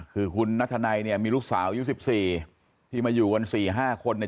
คือคุณนัทธนัยเนี่ยมีลูกสาวอายุ๑๔ที่มาอยู่กัน๔๕คนเนี่ย